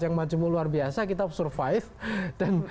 yang majemuh luar biasa kita survive